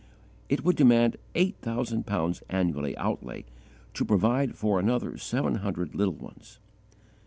It would demand eight thousand pounds annual outlay to provide for another seven hundred little ones.